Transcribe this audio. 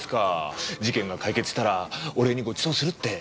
事件が解決したらお礼にご馳走するって。